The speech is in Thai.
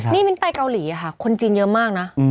นี่มิ้นไปเกาหลีค่ะคนจีนเยอะมากนะ